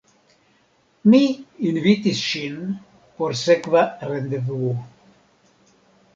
Mi invitis ŝin por sekva rendevuo.